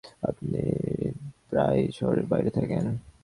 আপনি প্রায়শই শহরের বাইরে থাকেন?